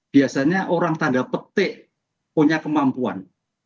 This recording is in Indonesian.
biasanya orang tanda petik punya kemampuan